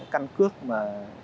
căn cước mà